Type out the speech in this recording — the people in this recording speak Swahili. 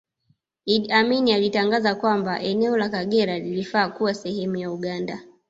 Idi Amin alitangaza kwamba eneo la Kagera lilifaa kuwa sehemu ya Uganda